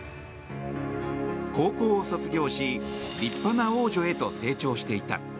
高校を卒業し立派な王女へと成長していた。